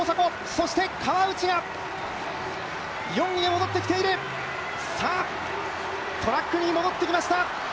そして川内が４位で戻ってきているさあ、トラックに戻ってきました。